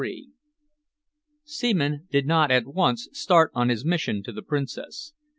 CHAPTER XXIII Seaman did not at once start on his mission to the Princess.